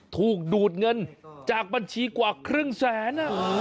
ถูกดูดเงินจากบัญชีกว่าครึ่งแสน